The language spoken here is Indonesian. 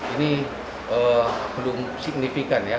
ini belum signifikan ya